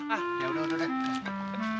ya udah udah deh